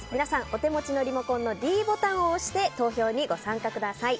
お手持ちのリモコンのｄボタンを押して投票にご参加ください。